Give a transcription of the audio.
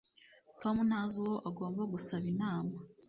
Tom ntazi uwo agomba gusaba inama